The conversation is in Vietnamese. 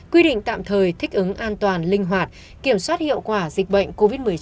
quy định tạm thời thích ứng an toàn linh hoạt kiểm soát hiệu quả dịch bệnh covid một mươi chín